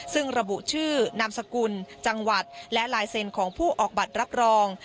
ซึ่งระบุชื่อนามสกุลจังหวัดและลายเซ็นต์ของผู้ออกบัตรรับรอง